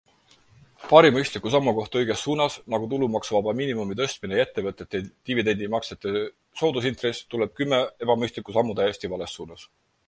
Paari mõistliku sammu kohta õiges suunas - nagu tulumaksuvaba miinimumi tõstmine ja ettevõtete dividendidemaksete soodusintress - tuleb kümme ebamõistlikku sammu täiesti vales suunas.